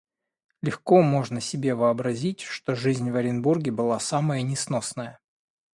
Легко можно себе вообразить, что жизнь в Оренбурге была самая несносная.